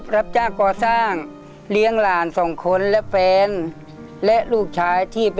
ลูกทุ่งสู้ชีวิต